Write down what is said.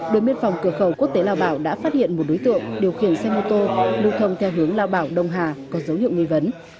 đội biên phòng cửa khẩu quốc tế lao bảo đã phát hiện một đối tượng điều khiển xe mô tô lưu thông theo hướng lao bảo đông hà có dấu hiệu nghi vấn